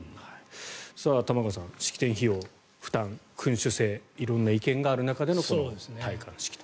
玉川さん式典費用、負担、君主制色んな意見がある中での戴冠式と。